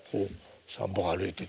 ３歩歩いてって。